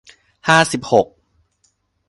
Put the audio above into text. ห้าสิบหก